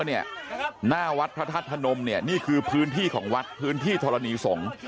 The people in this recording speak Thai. งานทางวัดพระทัศนมเนี่ยนี่คือพื้นที่ของปื้นที่ทรณีสงฆ์